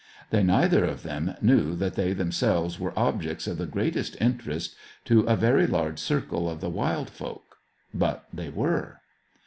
They neither of them knew that they themselves were objects of the greatest interest to a very large circle of the wild folk. But they were.